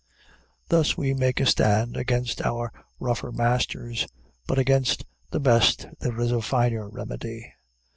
Thus we make a stand against our rougher masters; but against the best there is a finer remedy.